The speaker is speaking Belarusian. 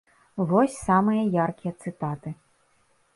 Вось самыя яркія цытаты.